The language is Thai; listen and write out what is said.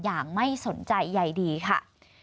อย่างไม่สนใจใยดีค่ะ